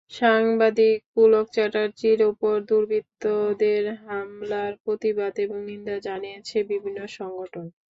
সাংবাদিক পুলক চ্যাটার্জির ওপর দুর্বৃত্তদের হামলার প্রতিবাদ এবং নিন্দা জানিয়েছে বিভিন্ন সংগঠন।